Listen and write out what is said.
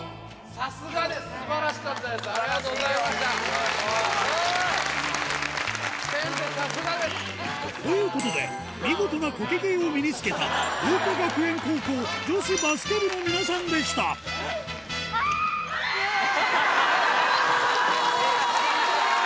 さすがです。ということで見事なコケ芸を身に付けた桜花学園高校女子バスケ部の皆さんでしたあぁ！